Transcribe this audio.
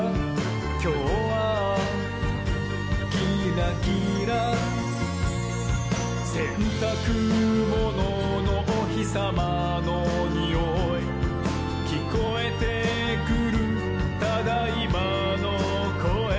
「きょうはキラキラ」「せんたくもののおひさまのにおい」「きこえてくる『ただいま』のこえ」